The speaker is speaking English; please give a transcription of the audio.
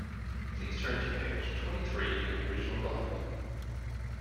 Please turn to page twenty-three in the original document